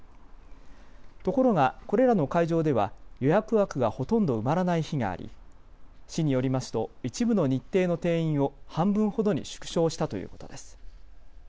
ところが、これらの会場では予約枠がほとんど埋まらない日があり、市によりますと一部の日程の定員を半分ほどに縮小したということです。